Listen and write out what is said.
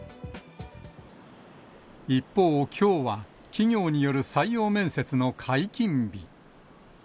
一方、きょうは企業による採用面接の解禁日。